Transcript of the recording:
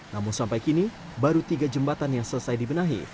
namun sampai kini baru tiga jembatan yang selesai dibenahi